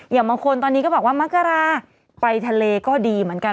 อย่างบางคนตอนนี้ก็บอกว่ามักกราไปทะเลก็ดีเหมือนกัน